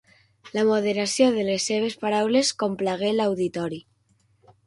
La moderació de les seves paraules complagué l'auditori.